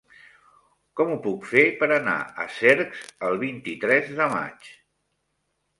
Com ho puc fer per anar a Cercs el vint-i-tres de maig?